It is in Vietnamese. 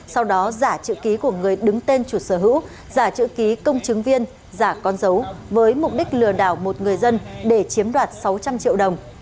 sau đó giả chữ ký của người đứng tên chủ sở hữu giả chữ ký công chứng viên giả con dấu với mục đích lừa đảo một người dân để chiếm đoạt sáu trăm linh triệu đồng